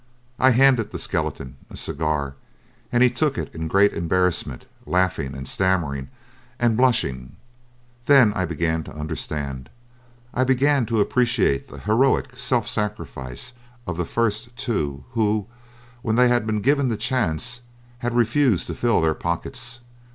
I handed the skeleton a cigar, and he took it in great embarrassment, laughing and stammering and blushing. Then I began to understand; I began to appreciate the heroic self sacrifice of the first two, who, when they had been given the chance, had refused to fill their pockets.